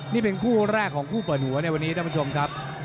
นี่เป็นคู่แรกของคู่เปิดหัวในวันนี้ท่านผู้ชมครับ